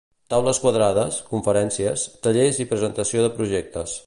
Taules quadrades, conferències, tallers i presentació de projectes.